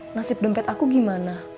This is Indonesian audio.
nasib dempet aku gimana